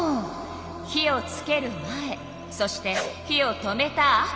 火をつける前そして火を止めたあと。